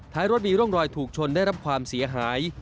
รถมีร่องรอยถูกชนได้รับความเสียหาย